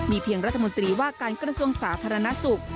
เพียงรัฐมนตรีว่าการกระทรวงสาธารณสุข